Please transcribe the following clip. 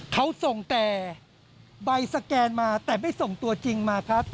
เขาส่งแต่ใบสแกนมาแต่ไม่ส่งตัวจริงมาครับ